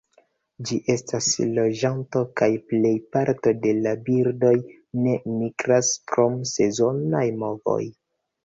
Ĝi estas loĝanto, kaj plej parto de la birdoj ne migras, krom sezonaj movoj.